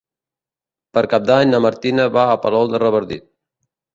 Per Cap d'Any na Martina va a Palol de Revardit.